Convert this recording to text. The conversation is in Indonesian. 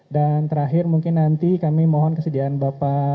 dan terakhir mungkin nanti kami mohon kesediaan bapak